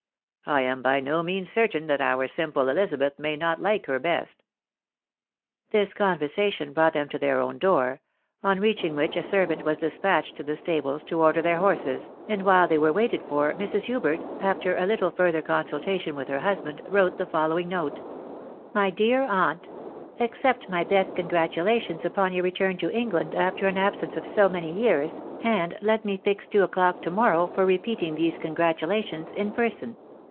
I am by no means certain that our simple EUzabeth may not like her best." This conversation brought them to their own door ; on reaching which a servant was despatched to the stables to order their horses, and while they were waited for, Mrs. Hubert, after a httle further consultation with her husband, wrote the fol lowing note :—" My deax Aunt, " Accept my best congratulations upon your return to England after an absence of so many years, and let me fix two o'clock to morrow for repeating these congratulations in person.